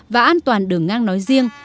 và an toàn đường ngang nói riêng